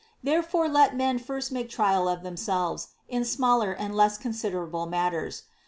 Therefore let men first make trial of themselves in smaller and less con siderable matters.